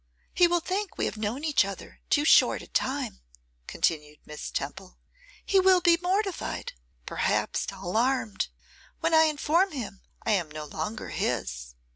'He will think we have known each other too short a time,' continued Miss Temple. 'He will be mortified, perhaps alarmed, when I inform him I am no longer his.